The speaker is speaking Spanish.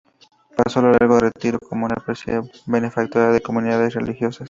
Pasó su largo retiro como apreciada benefactora de comunidades religiosas.